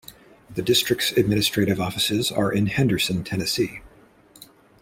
The district's administrative offices are in Henderson, Tennessee.